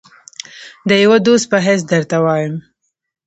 د یوه دوست په حیث درته وایم.